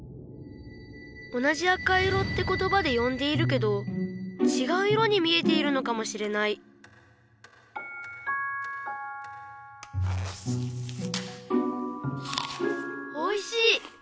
同じ「赤色」ってことばでよんでいるけどちがう色に見えているのかもしれないおいしい！